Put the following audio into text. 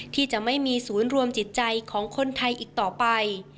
ที่จะไม่มีศูนย์รวมจิตใจของคนไทยอีกต่อไป